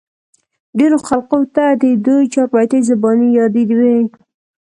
ډېرو خلقو ته د دوي چاربېتې زباني يادې وې